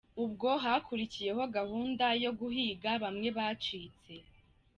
Ubwo hakurikiye gahunda yo guhiga bamwe bacitse.